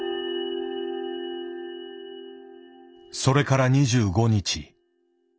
それから２５日。